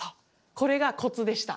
これがコツでした。